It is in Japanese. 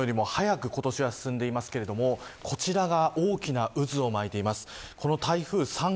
季節がいつもよりも早く今年は進んでいますけれどもこちらが大きな渦を巻いています。